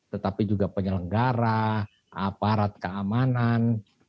tetapi juga penyelenggara aparat keamanan